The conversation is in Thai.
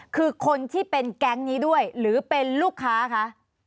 คือคนที่เป็นแก๊งนี้ด้วยหรือเป็นลูกค้าคะ